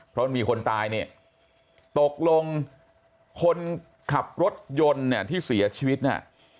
เพราะมีคนตายเนี่ยตกลงคนขับรถยนต์เนี่ยที่เสียชีวิตเนี่ย